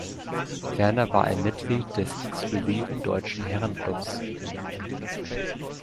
Ferner war er Mitglied des exklusiven Deutschen Herrenklubs.